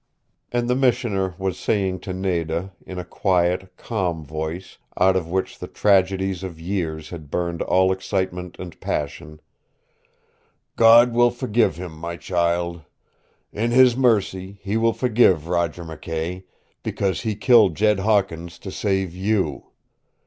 And the Missioner was saying to Nada, in a quiet, calm voice out of which the tragedies of years had burned all excitement and passion: "God will forgive him, my child. In His mercy He will forgive Roger McKay, because he killed Jed Hawkins to save YOU.